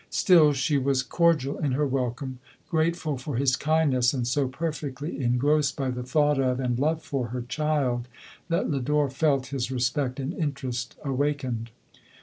Still she was cor dial in her welcome, grateful for his kindness, 101 LODORE. and so perfectly engrossed by the thought of, and love for, her child, that Lodore felt his respect and interest awakened.